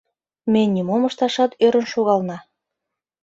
Ме нимом ышташат ӧрын шогална.